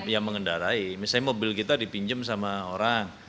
yang mengendarai misalnya mobil kita dipinjam sama orang